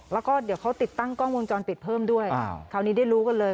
แล้วก็เดี๋ยวเขาติดตั้งกล้องวงจรปิดเพิ่มด้วยคราวนี้ได้รู้กันเลย